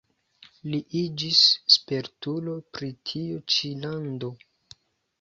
Li iĝis spertulo pri tiu ĉi lando.